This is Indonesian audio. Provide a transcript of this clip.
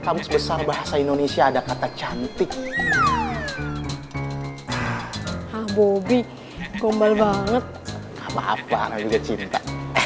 kelas besar bahasa indonesia ada kata cantik ah bobby gombal banget apa apa